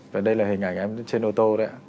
và đây là hình ảnh em trên ô tô đấy ạ